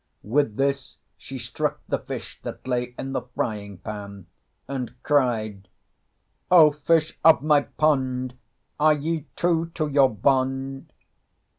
With this she struck the fish that lay in the frying pan, and cried "O fish of my pond, Are ye true to your bond?"